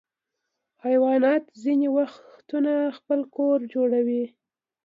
حیوانات ځینې وختونه خپل کور جوړوي.